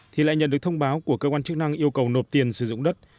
thì lại nhận được thông báo của cơ quan chức năng yêu cầu nộp tiền sử dụng đất